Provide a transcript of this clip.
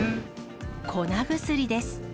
粉薬です。